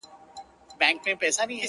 راته را ياده ستا خندا ده او شپه هم يخه ده-